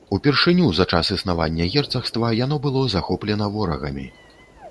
Упершыню за час існавання герцагства яно было захоплена ворагамі.